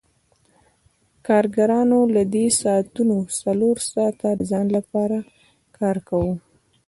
کارګرانو له دې ساعتونو څلور ساعته د ځان لپاره کار کاوه